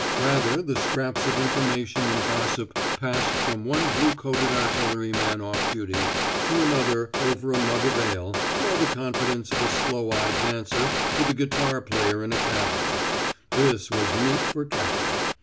Rather the scraps of information and gossip passed from one blue coated artilleryman off duty, to another over a mug of ale, or the confidence of a sloe eyed dancer to the guitar player in a tavern; this was meat for Capper.